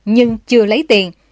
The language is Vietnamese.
nhưng chưa lấy tiền